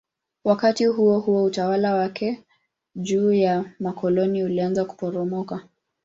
Wakati huohuo utawala wake juu ya makoloni ulianza kuporomoka.